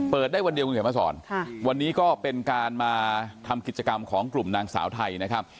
ได้วันเดียวคุณเขียนมาสอนวันนี้ก็เป็นการมาทำกิจกรรมของกลุ่มนางสาวไทยนะครับ